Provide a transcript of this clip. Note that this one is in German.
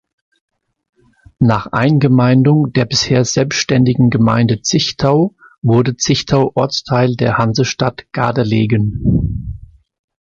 Nach Eingemeindung der bisher selbständigen Gemeinde Zichtau wurde Zichtau Ortsteil der Hansestadt Gardelegen.